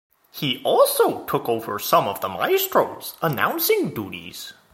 He also took over some of the maestro's announcing duties.